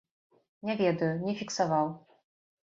Не ведаю, не фіксаваў.